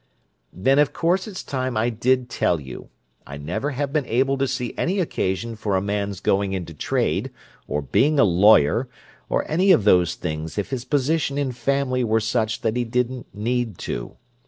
"Then of course it's time I did tell you. I never have been able to see any occasion for a man's going into trade, or being a lawyer, or any of those things if his position and family were such that he didn't need to.